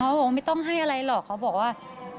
บอกว่าไม่ต้องให้อะไรหรอกเขาบอกว่า